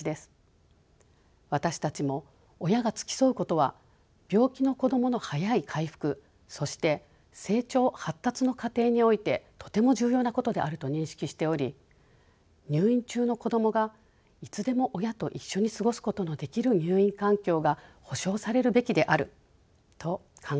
私たちも親が付き添うことは病気の子どもの早い回復そして成長発達の過程においてとても重要なことであると認識しており入院中の子どもがいつでも親と一緒に過ごすことのできる入院環境が保障されるべきであると考えています。